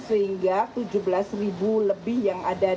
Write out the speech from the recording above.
sehingga tujuh belas lebih yang ada